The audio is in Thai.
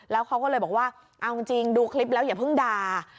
แล้วเขาก็เลยบอกว่าเอาจริงดูคลิปแล้วอย่าเพิ่งด่า